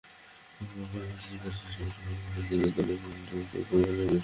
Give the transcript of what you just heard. গল্প এখানেই শেষ নয়, মধুবালার বোন মধুর ভূষণ অভিযোগ তোলেন কিশোর কুমারের বিরুদ্ধে।